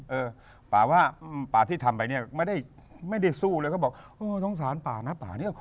เออป่าว่าป่าที่ทำไปเนี่ยไม่ได้สู้แล้วก็บอกเออสงสารป่านะป่าเนี่ย